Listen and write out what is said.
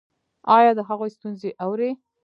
ایا د هغوی ستونزې اورئ؟